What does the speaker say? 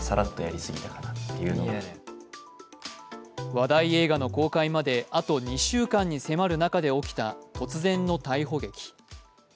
話題映画の公開まで、あと２週間に迫る中で起きた突然の逮捕劇。